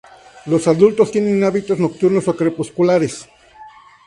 Los adultos tienen hábitos nocturnos o crepusculares.